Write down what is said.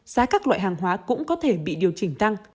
giá các loại hàng hóa cũng có thể bị điều chỉnh tăng